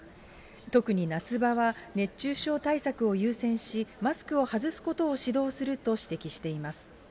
特に夏場は、熱中症対策を優先し、マスクを外すことを指導すると指摘しています。